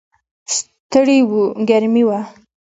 ستړي و، ګرمي وه.